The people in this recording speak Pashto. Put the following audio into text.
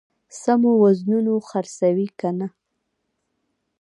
سمو وزنونو خرڅوي کنه.